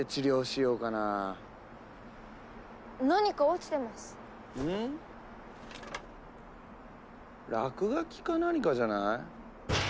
落書きか何かじゃない？